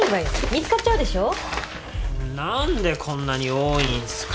何でこんなに多いんすか。